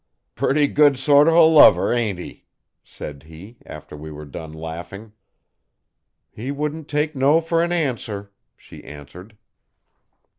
'Purty good sort uv a lover, ain't he?' said he after we were done laughing. 'He wouldn't take no for an answer,' she answered.